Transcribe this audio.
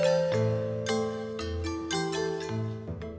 kamu juga suka